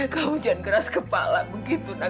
kamu jangan keras kepala begitu nak